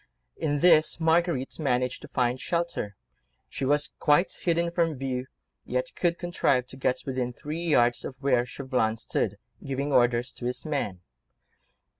In this Marguerite managed to find shelter; she was quite hidden from view, yet could contrive to get within three yards of where Chauvelin stood, giving orders to his men.